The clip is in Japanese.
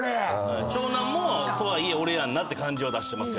長男も俺やんなって感じを出してます。